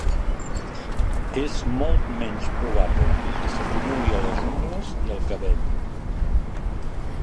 És molt menys probable que s'acumuli a les ungles i al cabell.